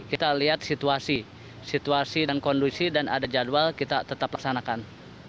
kita lihat situasi situasi dan kondisi dan ada jadwal kita tetap laksanakan